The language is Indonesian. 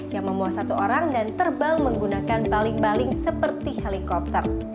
yang membawa satu orang dan terbang menggunakan baling baling seperti helikopter